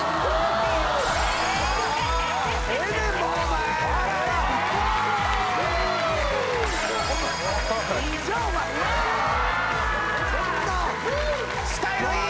キャ！スタイルいい！